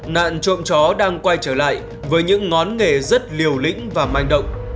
nạn trộm chó đang quay trở lại với những ngón nghề rất liều lĩnh và manh động